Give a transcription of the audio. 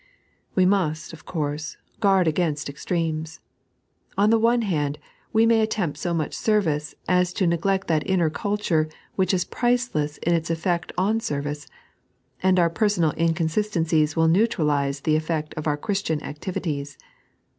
We must, of course, guard against extremes. On the one hand, we may attempt so much service as to neglect that inner culture which is priceless in its effect on service, and our personal inconsistencies will neutralise tbe eflect of our Christian activities.